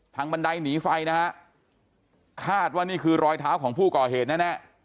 บันไดหนีไฟนะฮะคาดว่านี่คือรอยเท้าของผู้ก่อเหตุแน่